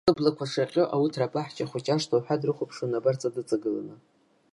Лыблақәа шаҟьо, ауҭра, абаҳча хәыҷы, ашҭа уҳәа дрыхәаԥшуан, абарҵа дыҵагыланы.